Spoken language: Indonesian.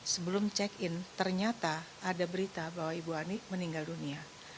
sebelum check in ternyata ada berita bahwa ibu ani meninggal dunia